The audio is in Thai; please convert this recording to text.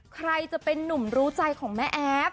ใครจะเป็นนุ่มรู้ใจของแม่แอฟ